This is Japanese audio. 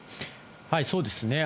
そうですね。